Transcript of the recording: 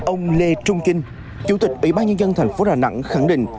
ông lê trung kinh chủ tịch ủy ban nhân dân thành phố đà nẵng khẳng định